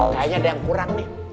kayaknya ada yang kurang nih